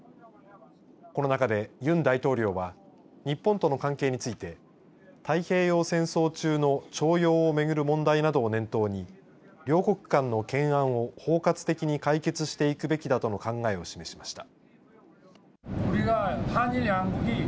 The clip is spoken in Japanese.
この中で、ユン大統領は日本との関係について太平洋戦争中の徴用を巡る問題などを念頭に両国間の懸案を包括的に解決していくべきだとの考えを示しました。